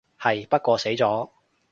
係，不過死咗